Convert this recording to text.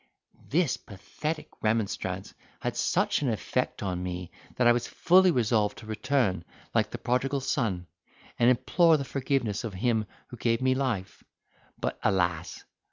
'This pathetic remonstrance had such an effect on me, that I was fully resolved to return, like the prodigal son, and implore the forgiveness of him who gave me life; but, alas!